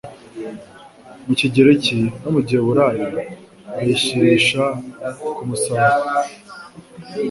mu kigereki no mu giheburayo ayishyirisha ku musaraba,